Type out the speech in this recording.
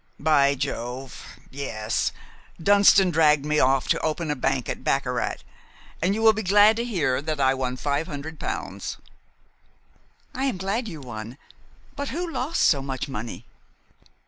"By Jove! yes! Dunston dragged me off to open a bank at baccarat, and you will be glad to hear that I won five hundred pounds." "I am glad you won; but who lost so much money?"